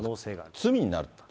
罪になると。